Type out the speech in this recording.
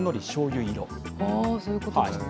そういうことですね。